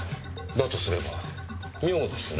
だとすれば妙ですね。